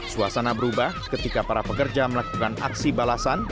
suasana berubah ketika para pekerja melakukan aksi balasan